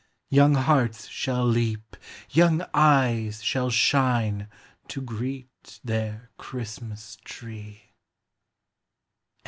Young hearts shall leap, young eyes shall shine To greet their Christmas tree!"